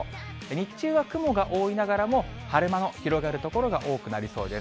日中は雲が多いながらも、晴れ間の広がる所が多くなりそうです。